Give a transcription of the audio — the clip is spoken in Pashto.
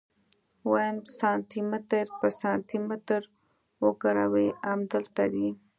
ويم سانتي متر په سانتي متر وګروئ امدلته دي.